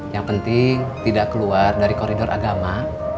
yang penting tidak keluar dari koridor agama